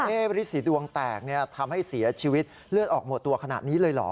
ฤษีดวงแตกทำให้เสียชีวิตเลือดออกหมดตัวขนาดนี้เลยเหรอ